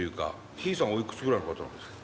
ヒイさんはおいくつぐらいの方なんですか。